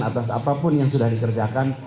atas apapun yang sudah dikerjakan